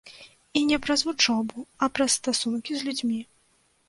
І не праз вучобу, а праз стасункі з людзьмі.